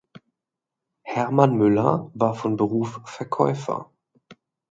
Hermann Müller war von Beruf Verkäufer.